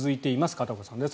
片岡さんです。